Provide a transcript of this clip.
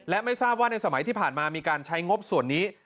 และไม่ทราบว่าในสมัยที่ผ่านมามีการใช้งบส่วนนี้